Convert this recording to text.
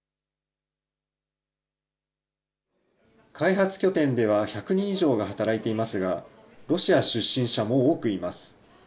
開発拠点では１００人以上が働いていますが、ロシア出身者も多くいます。